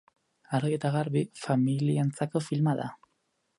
Argi eta garbi, familientzako filma da.